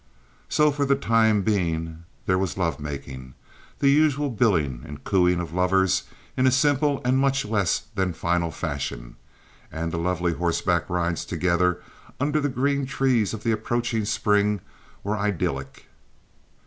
So, for the time being there was love making, the usual billing and cooing of lovers in a simple and much less than final fashion; and the lovely horseback rides together under the green trees of the approaching spring were idyllic.